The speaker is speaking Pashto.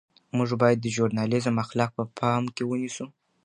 موږ باید د ژورنالیزم اخلاق په پام کې ونیسو.